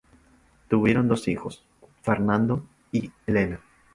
Tuvieron dos hijos, Fernando y Helena.